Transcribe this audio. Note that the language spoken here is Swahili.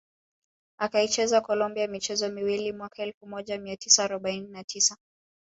Akaichezea Colombia michezo miwili mwaka elfu moja mia tisa arobaini na tisa